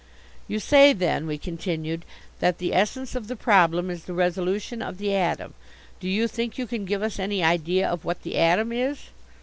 "You say, then," we continued, "that the essence of the problem is the resolution of the atom. Do you think you can give us any idea of what the atom is?"